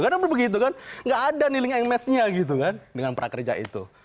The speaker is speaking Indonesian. karena begitu kan gak ada nih link match nya gitu kan dengan prakerja itu